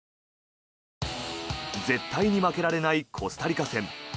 絶対に負けられないコスタリカ戦。